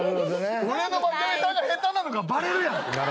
俺のマチャミさんが下手なのがバレるやん。